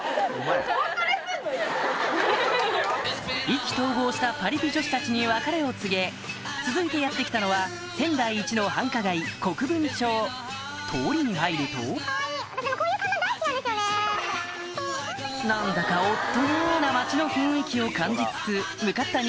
意気投合したパリピ女子たちに別れを告げ続いてやって来たのは仙台イチの繁華街国分町通りに入ると何だか大人な街の雰囲気を感じつつ向かった